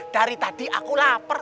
dari tadi aku lapar